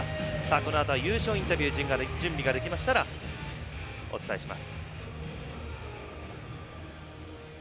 このあとは優勝インタビュー準備ができましたらお伝えします。